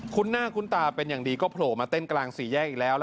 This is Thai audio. หน้าคุ้นตาเป็นอย่างดีก็โผล่มาเต้นกลางสี่แยกอีกแล้ว